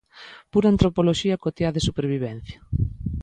Pura antropoloxía cotiá de supervivencia.